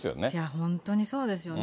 本当にそうですよね。